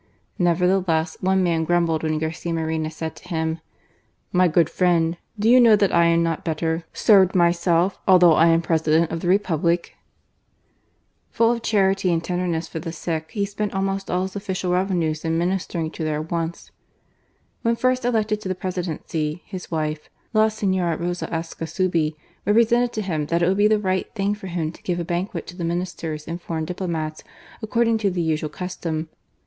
Neverthe less, one man grumbled, when Garcia Moreno said to him :" My good friend, do you know that I am not better served myself, although I am President of the Republic ?" Full of charity and tenderness for the sick, he spent almost all his official revenues in ministering to their wants. When first elected to the Presidency, his wife (La Senora Rosa Ascasubi) represented to him that it would be the right thing for him to give a banquet to the Ministers and foreign diplomats, according to the usual custom.